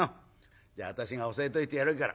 じゃあ私が教えておいてやるから。